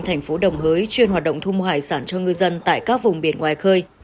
thành phố đồng hới chuyên hoạt động thu hải sản cho ngư dân tại các vùng biển ngoài khơi